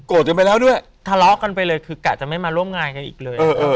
กันไปแล้วด้วยทะเลาะกันไปเลยคือกะจะไม่มาร่วมงานกันอีกเลย